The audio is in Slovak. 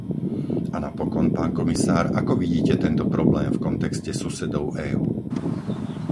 A napokon, pán komisár, ako vidíte tento problém v kontexte susedov EÚ?